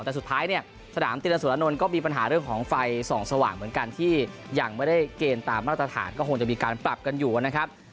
แต่สุดท้ายเนี่ยสนามติละสุรนนท์ก็มีปัญหาเรื่องของไฟส่องสว่างเหมือนกันที่ยังไม่ได้เกณฑ์ตามมาตรฐานก็คงจะมีการปรับกันอยู่นะครับ